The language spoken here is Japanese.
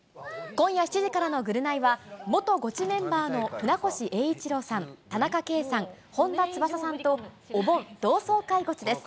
今夜７時からのぐるナイは、元ゴチメンバーの船越英一郎さん、田中圭さん、本田翼さんと、お盆同窓会ゴチです。